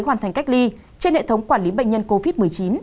hoàn thành cách ly trên hệ thống quản lý bệnh nhân covid một mươi chín